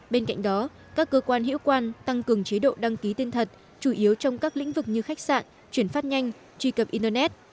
bên cạnh đó các cơ quan hiệu quan tăng cường chế độ đăng ký tên thật chủ yếu trong các lĩnh vực như khách sạn chuyển phát nhanh truy cập internet